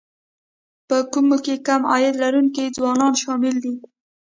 په کومو کې کم عاید لرونکي ځوانان شامل دي